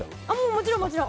もちろん。